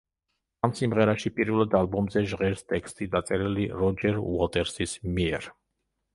ამ სიმღერაში, პირველად ალბომზე ჟღერს ტექსტი, დაწერილი როჯერ უოტერსის მიერ.